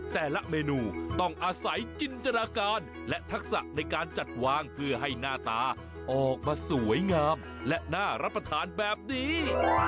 แต่ละเมนูต้องอาศัยจินตนาการและทักษะในการจัดวางเพื่อให้หน้าตาออกมาสวยงามและน่ารับประทานแบบนี้